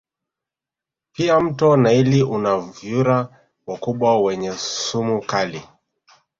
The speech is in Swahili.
Pia mto naili una vyura wakubwa wenye sumu kali